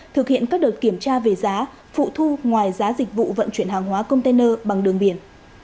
thực hiện các đợt kiểm tra về giá phụ thu ngoài giá dịch vụ vận chuyển hàng hóa container bằng đường biển